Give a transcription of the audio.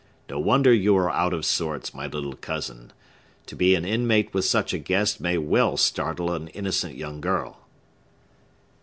No wonder you are out of sorts, my little cousin. To be an inmate with such a guest may well startle an innocent young girl!"